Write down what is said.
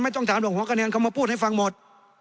ต้องถามตรงหัวคะแนนเขามาพูดให้ฟังหมด